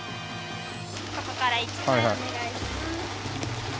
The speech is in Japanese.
ここから１枚お願いします。